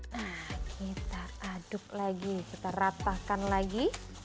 nah kita aduk lagi kita ratakan lagi